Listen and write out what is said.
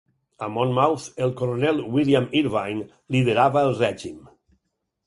A Monmouth, el coronel William Irvine liderava el règim.